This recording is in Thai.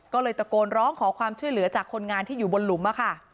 ก็เลยตะโกนร้องขอความช่วยเหลือจากคนงานที่อยู่บนหลุม